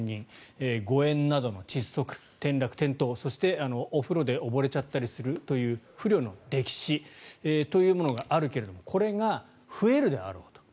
誤嚥などの窒息、転落、転倒そして、お風呂で溺れちゃったりするという不慮の溺死というものがあるけれどもこれが増えるであろうと。